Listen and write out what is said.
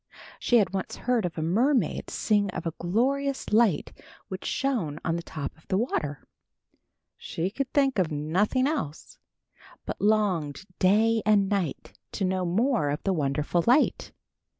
She had once heard a mermaid sing of a glorious light which shone on the top of the water. She could think of nothing else, but longed day and night to know more of the wonderful light.